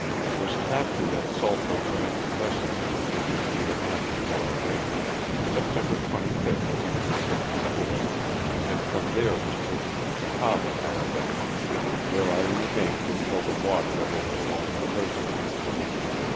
Was captured at Sulphur Branch Trestle, which is near Athens, Ala., September 25, 1864, and from there was taken to Cahaba, Ala., where I remained until the water had overflown the prison.